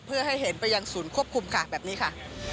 เพื่อให้เห็นไปยังศูนย์ควบคุมค่ะแบบนี้ค่ะ